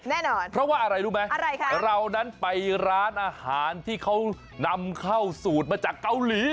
แน่นอนอะไรครับราวนั้นไปร้านอาหารที่เขานำเข้าสูตรมาจากเกาหลี